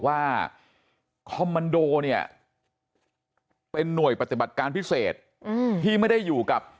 ว่าคอมมันโดเนี่ยเป็นหน่วยปฏิบัติการพิเศษที่ไม่ได้อยู่กับ